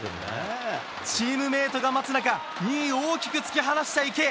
チームメートが待つ中２位を大きく突き放した池江。